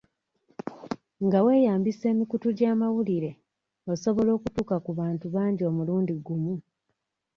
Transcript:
Nga weeyambisa emikutu gy'amawulire, osobola okutuuka ku bantu bangi omulundi gumu.